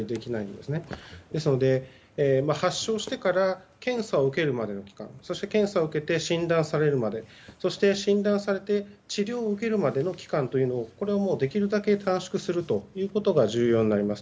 ですので、発症してから検査を受けるまでの期間そして検査を受けて診断されるまでそして診断されて治療を受けるまでの期間というものをできるだけ短縮するということが重要になります。